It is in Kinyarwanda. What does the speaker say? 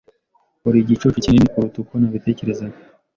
Uri igicucu kinini kuruta uko nabitekerezaga.